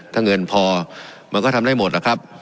ถ้าเงินพอมันก็ทำได้หมดนะครับ